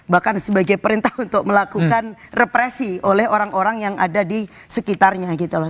bahkan sebagai perintah untuk melakukan represi oleh orang orang yang ada di sekitarnya gitu loh